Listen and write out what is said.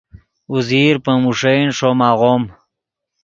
اوزیر پے موݰین ݰوم آغوم